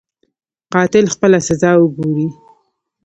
قاتل خپله سزا وګوري.